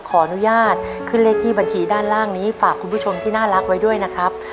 ขออนุญาตขึ้นเลขที่บัญชีด้านล่างนี้ฝากคุณผู้ชมที่น่ารักไว้ด้วยนะครับ